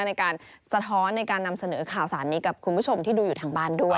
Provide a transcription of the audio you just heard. ในการสะท้อนในการนำเสนอข่าวสารนี้กับคุณผู้ชมที่ดูอยู่ทางบ้านด้วย